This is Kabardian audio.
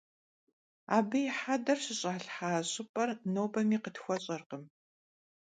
Abı yi heder şış'alhha ş'ıp'er nobemi khıtxueş'erkhım.